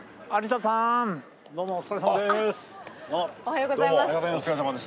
おはようございます。